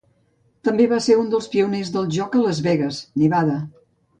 També va ser un dels pioners del joc a Las Vegas, Nevada.